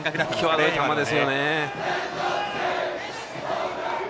際どい球ですよね。